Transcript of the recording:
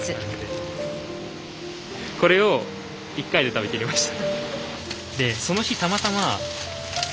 これを１回で食べきりました。